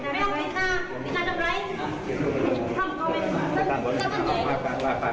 โปรดติดตามตอนต่อไป